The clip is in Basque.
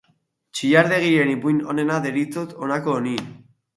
Txillardegiren ipuin onena deritzot honako honi.